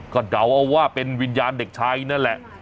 ก็เดาเอาว่าเป็นวิญญาณเด็กชายนั่นแหละ